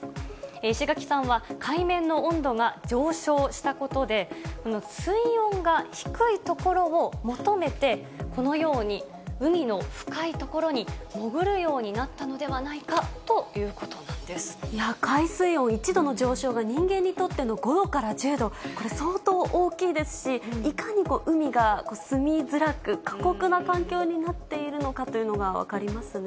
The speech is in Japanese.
石垣さんは、海面の温度が上昇したことで、水温が低い所を求めて、このように海の深い所に潜るようになったのではないかということ海水温、１度の上昇が人間にとっての５度から１０度、これ、相当大きいですし、いかに海が住みづらく、過酷な環境になっているのかというのが分かりますね。